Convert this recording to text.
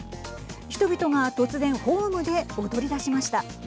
人々が突然ホームで踊りだしました。